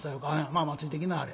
まあまあついてきなはれ。